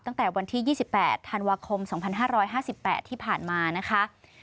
ตั้งแต่วันที่๒๘ธันวาคม๒๕๕๘ที่ผ่านมานะคะ